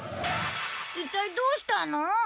一体どうしたの？